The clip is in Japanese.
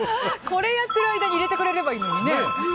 これやってる間に入れてくれればいいのにね。